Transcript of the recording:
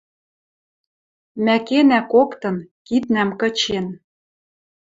Мӓ кенӓ коктын, киднӓм кычен.